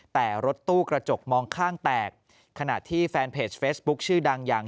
แต่รถตู้กระจกมองข้างแตกขณะที่แฟนเพจเฟซบุ๊คชื่อดังอย่าง